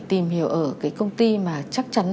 tìm hiểu ở cái công ty mà chắc chắn